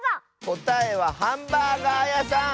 こたえはハンバーガーやさん！